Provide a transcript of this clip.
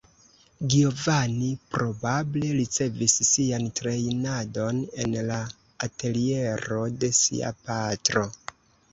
Giovanni probable ricevis sian trejnadon en la ateliero de sia patro.